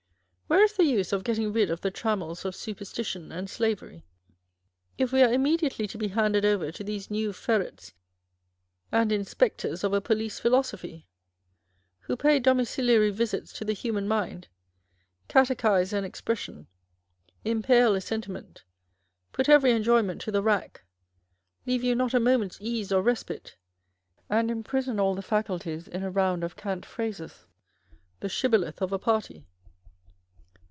Where is the use of getting rid of the trammels of superstition and slavery, if we are immediately to be handed over to these new ferrets and inspectors of a 254 The New School of Reform. Police Philosophy ; who pay domiciliary visits to the human mind, catechise an expression, impale a sentiment, put every enjoyment to the rack, leave you not a moment's ease or respite, and imprison all the faculties in a round of cant phrases â€" the Shibboleth of a party